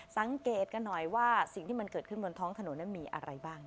สังเกตกันหน่อยว่าสิ่งที่มันเกิดขึ้นบนท้องถนนมีอะไรบ้าง